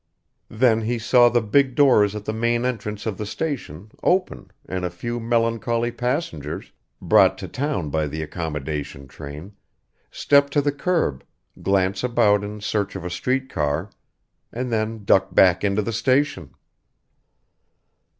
Then he saw the big doors at the main entrance of the station open and a few melancholy passengers, brought to town by the accommodation train, step to the curb, glance about in search of a street car, and then duck back into the station.